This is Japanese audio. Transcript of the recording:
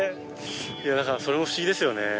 いやだからそれも不思議ですよね